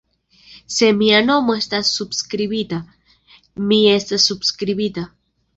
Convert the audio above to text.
Se mia nomo estas subskribita, mi estas subskribita.